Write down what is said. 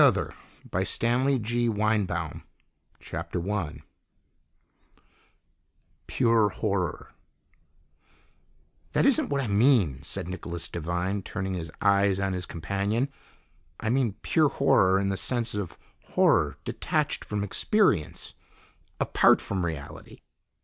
REVELATION 250 The Dark Other 1 Pure Horror "That isn't what I mean," said Nicholas Devine, turning his eyes on his companion. "I mean pure horror in the sense of horror detached from experience, apart from reality.